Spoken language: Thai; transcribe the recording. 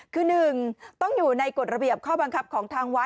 คือ๑ต้องอยู่ในกฎระเบียบข้อบังคับของทางวัด